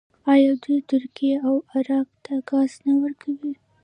آیا دوی ترکیې او عراق ته ګاز نه ورکوي؟